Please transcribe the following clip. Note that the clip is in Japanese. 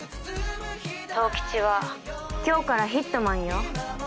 十吉は今日からヒットマンよ。